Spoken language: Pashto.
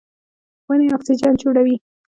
ونې اکسیجن جوړوي.